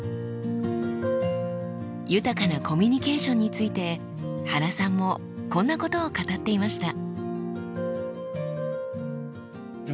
豊かなコミュニケーションについて原さんもこんなことを語っていました。